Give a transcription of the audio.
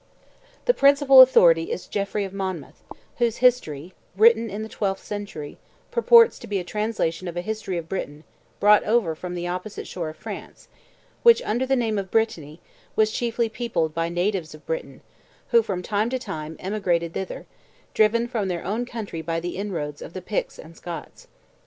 The principal authority is Geoffrey of Monmouth, whose history, written in the twelfth century, purports to be a translation of a history of Britain brought over from the opposite shore of France, which, under the name of Brittany, was chiefly peopled by natives of Britain who, from time to time, emigrated thither, driven from their own country by the inroads of the Picts and Scots.